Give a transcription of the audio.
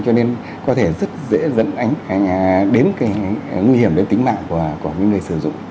cho nên có thể rất dễ dẫn đến nguy hiểm đến tính mạng của người sử dụng